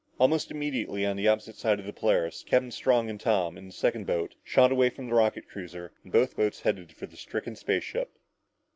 Almost immediately on the opposite side of the Polaris, Captain Strong and Tom in the second boat shot away from the rocket cruiser and both boats headed for the stricken spaceship.